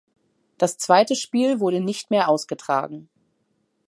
Das zweite Spiel wurde nicht mehr ausgetragen.